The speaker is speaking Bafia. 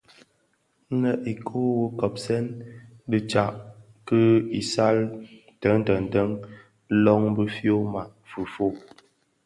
Nnè ikuu nwu kopsèn dhi tsak ki isal den denden lön bi fyoma fifog.